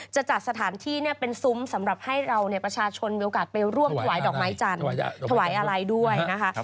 จะจัดสถานที่เนี่ยเป็นซุ้มสำหรับให้เราประชาชนมีโอกาสไปร่วมถวายดอกไม้จันทร์ถวายอะไรด้วยนะคะ